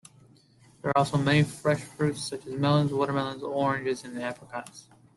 There are also many fresh fruits such as melons, watermelons, oranges, and apricots.